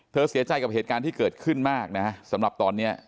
เสียใจกับเหตุการณ์ที่เกิดขึ้นมากนะสำหรับตอนนี้